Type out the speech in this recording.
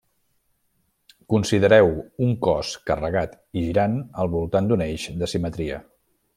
Considereu un cos carregat i girant al voltant d'un eix de simetria.